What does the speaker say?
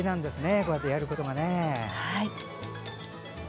こうやってやることが。